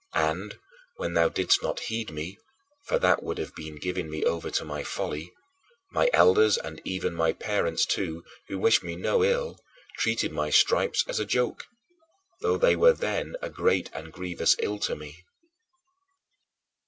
And when thou didst not heed me for that would have been giving me over to my folly my elders and even my parents too, who wished me no ill, treated my stripes as a joke, though they were then a great and grievous ill to me.